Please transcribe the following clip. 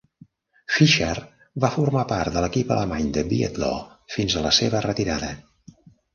Fischer va formar part de l'equip alemany de biatló fins a la seva retirada.